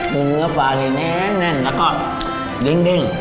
ดูนั่นมีเนื้อฟ้าดีแน่นแน่นแล้วก็ดิ้งดิ้ง